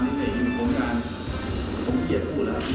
ผมเขียนพูดแล้วครับพี่หล่อพี่หล่อ